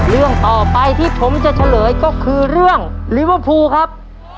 เรื่องต่อไปที่ผมจะเฉลยก็คือเรื่องลิเวอร์พูลครับ